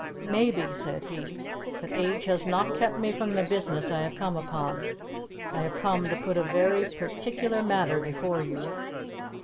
"Maybe," said he; "but age has not kept me from the business I have come upon. I have come to put a very particular matter before you."